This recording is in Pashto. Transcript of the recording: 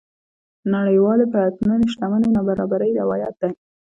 نړيوالې پرتلنې شتمنۍ نابرابرۍ روايت دي.